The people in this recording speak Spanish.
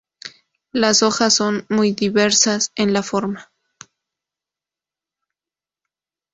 Las hojas son muy diversas en la forma.